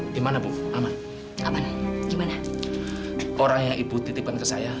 sampai jumpa di video selanjutnya